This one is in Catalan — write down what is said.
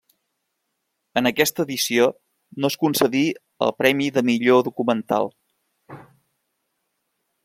En aquesta edició no es concedí el premi de millor documental.